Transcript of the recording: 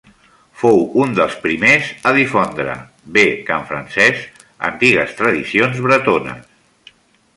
Fou un dels primers a difondre, bé que en francès, antigues tradicions bretones.